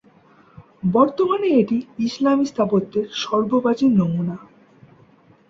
বর্তমানে এটি ইসলামী স্থাপত্যের সর্বপ্রাচীন নমুনা।